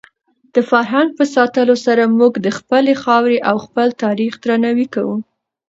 د فرهنګ په ساتلو سره موږ د خپلې خاورې او خپل تاریخ درناوی کوو.